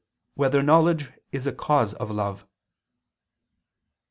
2] Whether Knowledge Is a Cause of Love?